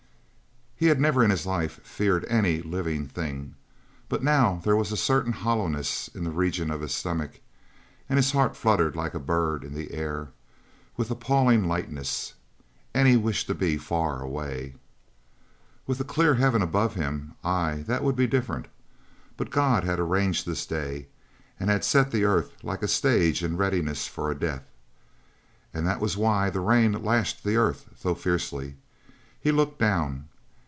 He had never in his life feared any living thing. But now there was a certain hollowness in the region of his stomach, and his heart fluttered like a bird in the air, with appalling lightness. And he wished to be far away. With a clear heaven above him ay, that would be different, but God had arranged this day and had set the earth like a stage in readiness for a death. And that was why the rain lashed the earth so fiercely. He looked down.